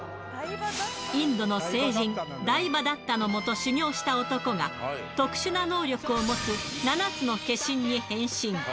インドの聖人、ダイバダッタのもと修行した男が、特殊な能力を持つ７つの化身に変身。